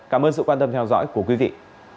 cảm ơn sự quan tâm theo dõi của quý vị